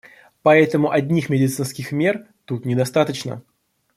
Поэтому одних медицинских мер тут недостаточно.